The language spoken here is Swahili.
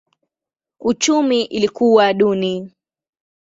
Uchumi ilikuwa duni.